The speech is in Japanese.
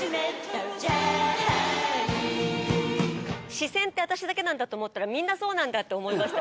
詞先って私だけなんだと思ったら、みんなそうなんだって思いました。